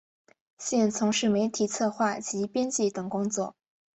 现从事媒体策划及编辑等工作。